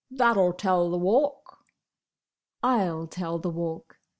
"That'll tell the Walk!" "I 'll tell the Walk!"